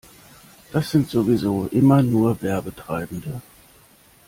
Das sind sowieso immer nur Werbetreibende.